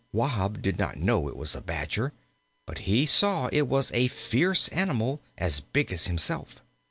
Wahb did not know it was a Badger, but he saw it was a fierce animal as big as himself.